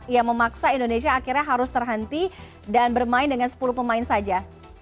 yang memaksa indonesia akhirnya harus terhenti dan bermain dengan sepuluh pemain saja